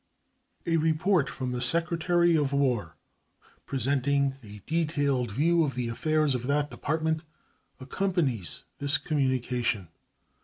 A report from the Secretary of War, presenting a detailed view of the affairs of that Department, accompanies this communication.